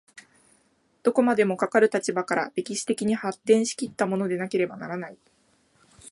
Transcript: どこまでもかかる立場から歴史的に発展し来ったものでなければならない。